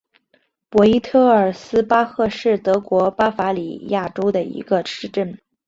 博伊特尔斯巴赫是德国巴伐利亚州的一个市镇。